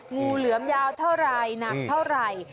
งูเหลือมยาวเท่าไรนะเท่าไร